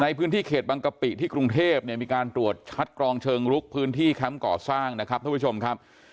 ในพื้นที่เขตบังกะปิที่กรุงเทพเนี่ยมีการตรวจคัดกรองเชิงลุกพื้นที่แคมป์ก่อสร้างนะครับท่านผู้ชมครับ